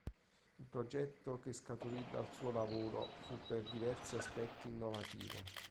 Il progetto che scaturì dal suo lavoro fu per diversi aspetti innovativo.